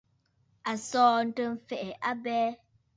À sɔ̀ɔ̀ntə mfɛ̀ɛ a abɛɛ.